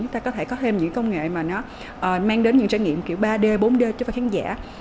chúng ta có thể có thêm những công nghệ mà nó mang đến những trải nghiệm kiểu ba d bốn d cho các khán giả